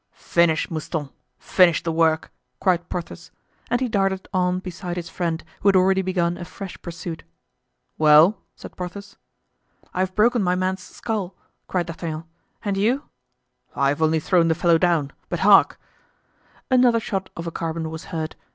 "Finish, Mouston, finish the work!" cried Porthos. And he darted on beside his friend, who had already begun a fresh pursuit. "Well?" said Porthos. "I've broken my man's skull," cried D'Artagnan. "And you——" "I've only thrown the fellow down, but hark!" Another shot of a carbine was heard.